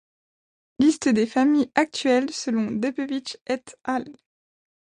Liste des familles actuelles selon Debevic et al.